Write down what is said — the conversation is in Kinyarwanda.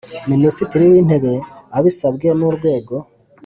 Minisitiri w intebe abisabwe n urwego